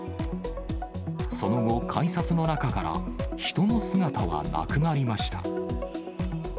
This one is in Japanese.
その後、改札の中から人の姿はなくなりました。